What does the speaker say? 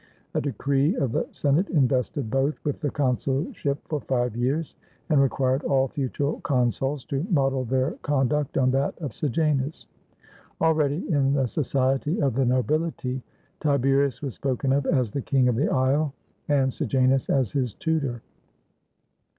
A decree of the Senate invested both with the consulship for five years, and required all future consuls to model their conduct on that of Sejanus. Already, in the society of the nobility, Tiberius was spoken of as the "King of the Isle," and Sejanus as his "Tutor."